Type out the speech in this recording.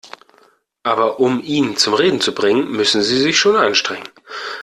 Aber um ihn zum Reden zu bringen, müssen Sie sich schon anstrengen.